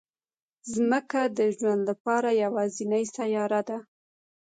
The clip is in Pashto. ځمکه د ژوند لپاره یوازینی سیاره ده